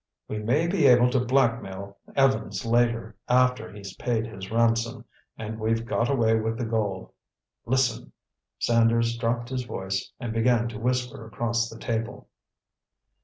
"We may be able to blackmail Evans later, after he's paid his ransom, and we've got away with the gold.—Listen!" Sanders dropped his voice and began to whisper across the table.